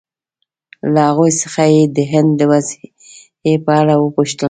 له هغوی څخه یې د هند د وضعې په اړه وپوښتل.